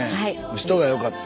人が良かった。